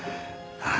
ああ